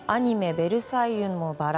「ベルサイユのばら」